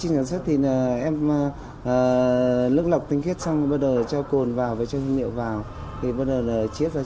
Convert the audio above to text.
nước lọc tinh thiết xong rồi bắt đầu cho cồn vào cho dưới miệng vào cho dưới miệng vào